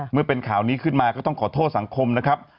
เมื่อเป็นข่าวนี้ขึ้นมาก็ต้องขอโทษสังคมนะครับ